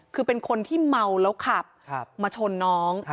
คือเป็นคนที่เมาแล้วขับมาชนน้อง